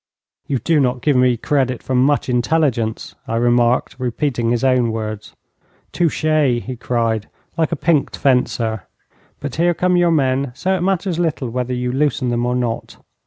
'You do not give me credit for much intelligence,' I remarked, repeating his own words. 'Touché,' he cried, like a pinked fencer. 'But here come your men, so it matters little whether you loosen them or not.'